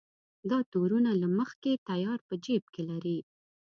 دا تورونه له مخکې تیار په جېب کې لري.